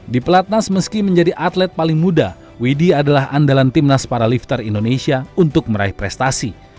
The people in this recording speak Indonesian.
di pelatnas meski menjadi atlet paling muda widhi adalah andalan timnas para lifter indonesia untuk meraih prestasi